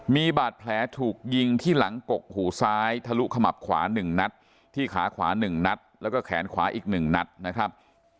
มีบาดแผลถูกยิงที่หลังกกหูซ้ายทะลุขมับขวา๑นัดที่ขาขวา๑นัดแล้วก็แขนขวาอีก๑นัดนะครับ